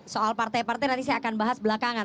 soal partai partai nanti saya akan bahas belakangan